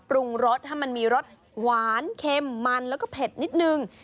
ปรุงรสให้มันมีรสหวานเค็มมันแล้วก็เผ็ดนิดนึง